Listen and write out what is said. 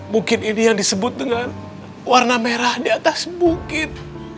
bukit ini yang disebut dengan warna merah di atas bukit